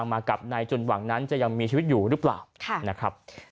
มากับนายจนหวังนั้นจะยังมีชีวิตอยู่หรือเปล่านะครับ